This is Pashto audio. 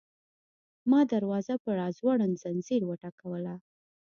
ما دروازه په راځوړند ځنځیر وټکوله.